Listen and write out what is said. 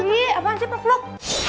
iiii apaan sih peflok